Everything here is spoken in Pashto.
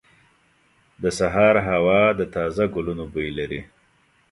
• د سهار هوا د تازه ګلونو بوی لري.